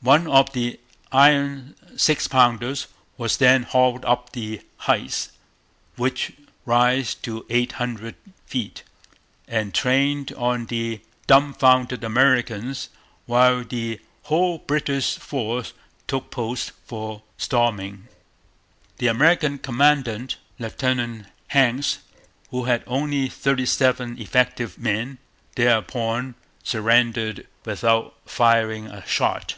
One of the iron six pounders was then hauled up the heights, which rise to eight hundred feet, and trained on the dumbfounded Americans, while the whole British force took post for storming. The American commandant, Lieutenant Hanks, who had only fifty seven effective men, thereupon surrendered without firing a shot.